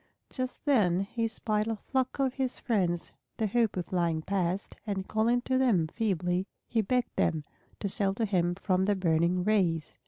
Just then he spied a flock of his friends the Hoopoes flying past, and calling to them feebly he begged them to shelter him from the burning rays.